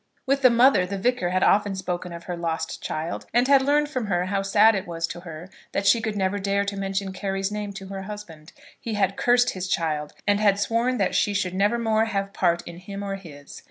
With the mother the Vicar had often spoken of her lost child, and had learned from her how sad it was to her that she could never dare to mention Carry's name to her husband. He had cursed his child, and had sworn that she should never more have part in him or his.